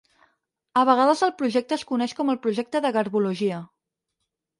A vegades el projecte es coneix com el "projecte de garbologia".